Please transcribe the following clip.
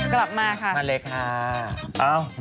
กลับมาค่ะมาเลยค่ะมาเลยค่ะ